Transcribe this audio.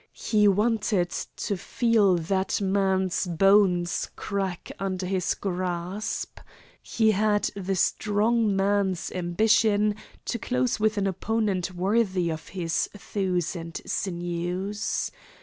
He wanted to feel that man's bones crack under his grasp. He had the strong man's ambition to close with an opponent worthy of his thews and sinews.